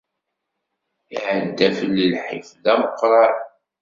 Iɛedda fell-i lḥif d ameqqran.